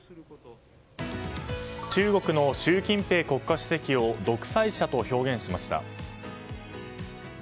中国の習近平国家主席を独裁者と表現しました。